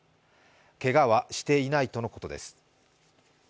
けがはしていないとのことです。